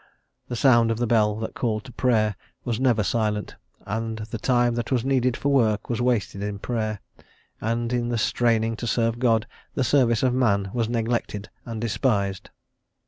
The sound of the bell that called to Prayer was never silent, and the time that was needed for work was wasted in Prayer, and in the straining to serve God the service of man was neglected and despised.